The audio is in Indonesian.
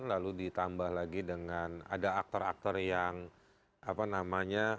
lalu ditambah lagi dengan ada aktor aktor yang apa namanya